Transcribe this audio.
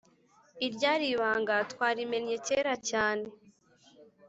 Irya ribanga twarimennye kera cyane